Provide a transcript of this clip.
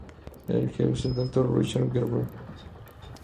El jefe es el Dr. Richard Webber.